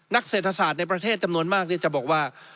เศรษฐศาสตร์ในประเทศจำนวนมากที่จะบอกว่า